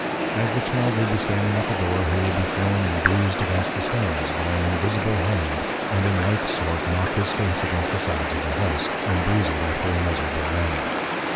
As the Child would be standing at the Door, he would be thrown and bruised against the Stones, by an invisible Hand, and in like sort knock his Face against the sides of the House, and bruise it after a miserable manner.